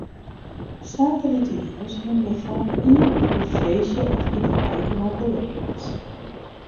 Saterdeitejûns hiene we faak ien of oar feestje of iterijke mei kollega's.